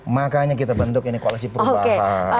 makanya kita bentuk ini koalisi perubahan